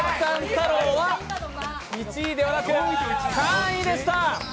太郎は１位ではなく３位でした！